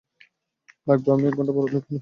লাগবে, আমি এক ঘন্টা পর ফোন দিব।